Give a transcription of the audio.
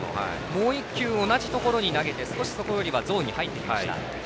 もう１球同じところに投げて少しそこよりはゾーンに入ってきました。